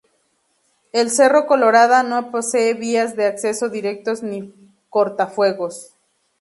El Cerro Colorado no posee vías de acceso directos ni cortafuegos.